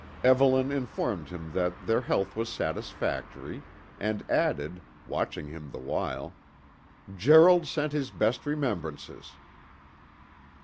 Evelyn informed him that their health was satisfactory, and added, watching him the while: "Gerald sent his best remembrances."